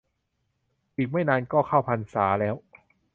อีกไม่นานก็เข้าพรรษาแล้ว